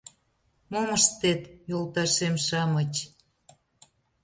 — Мом ыштет, йолташем-шамыч!